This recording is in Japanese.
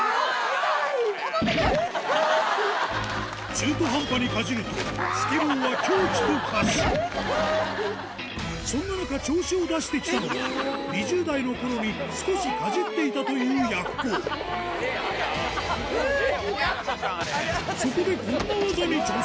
中途半端にかじるとスケボーはそんな中調子を出してきたのが２０代の頃に少しかじっていたというやっこ鬼奴ちゃん？